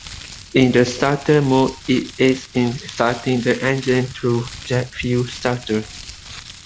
In the starter mode, it aids in starting the engine through jet fuel starter.